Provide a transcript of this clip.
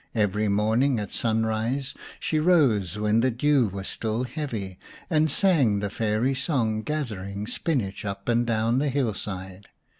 Every morning at sunrise she rose when the dew was still heavy and sang the fairy song, gathering spinach, up and down the hillside.